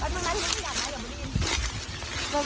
เดี๋ยวมึงมาที่นี่ก่อนนะเดี๋ยวมึงได้ยิน